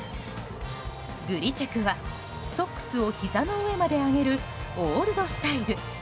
グリチェクはソックスをひざの上まで上げるオールドスタイル。